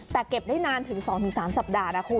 แต่เก็บได้นานถึง๒๓สัปดาห์นะคุณ